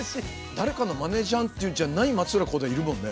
誰かのマネじゃんっていうんじゃない松浦航大いるもんね。